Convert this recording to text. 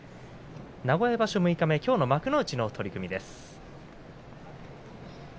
名古屋場所六日目きょうの幕内の取組です。